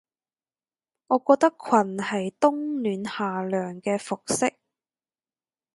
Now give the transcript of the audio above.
我覺得裙係冬暖夏涼嘅服飾